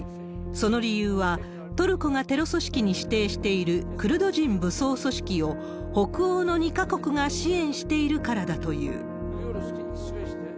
その理由は、トルコがテロ組織に指定しているクルド人武装組織を、北欧の２か国が支援しているからだという。